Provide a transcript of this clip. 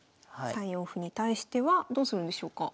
３四歩に対してはどうするんでしょうか？